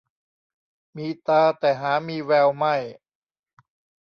มีตาแต่หามีแววไม่